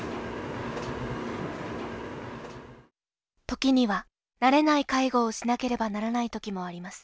時には慣れない介護をしなければならない時もあります